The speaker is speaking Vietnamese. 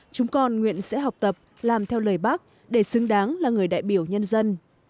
chúng con nguyện sẽ học tập làm theo lời bác để xứng đáng là người đại biểu nhân dân